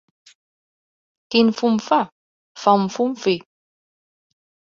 Quin fum fa? Fa un fum fi.